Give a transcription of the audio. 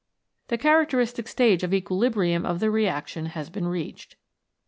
The characteristic stage of equilibrium of the reaction has been reached.